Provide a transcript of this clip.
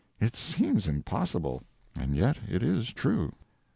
It seems impossible, and yet it is true.